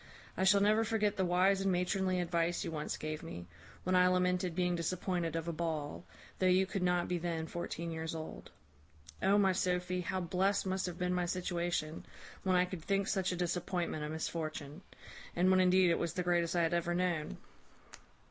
I shall never forget the wise and matronly advice you once gave me, when I lamented being disappointed of a ball, though you could not be then fourteen years old. O my Sophy, how blest must have been my situation, when I could think such a disappointment a misfortune; and when indeed it was the greatest I had ever known!"